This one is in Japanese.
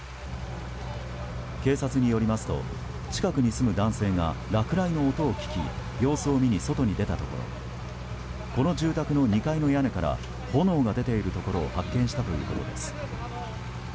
警察によりますと近くに住む男性が落雷の音を聞き様子を見に外に出たところこの住宅の２階の屋根から炎が出ているところを発見したということです。